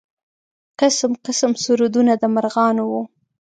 قسم قسم سرودونه د مرغانو و.